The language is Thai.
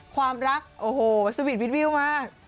ความรักโอ้โหสวีทวิดวิวมาก